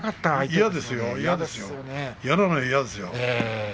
嫌ですよ嫌なのは嫌ですよ。